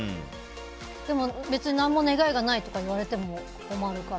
でも、別に何も願いがないとか言われても困るから。